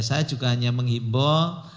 saya juga hanya menghiboh